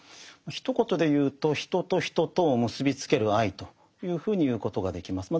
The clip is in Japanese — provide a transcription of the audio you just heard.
ひと言で言うと人と人とを結びつける愛というふうに言うことができます。